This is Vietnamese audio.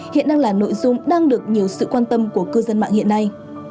hiện đang là nội dung đang được nhiều sự quan tâm của cư dân mạng hiện nay